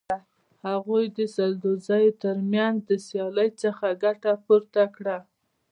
هغوی د سدوزیو تر منځ د سیالۍ څخه ګټه پورته کړه.